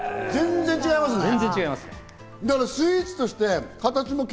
全然違いますね。